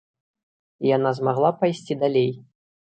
І яна змагла пайсці далей.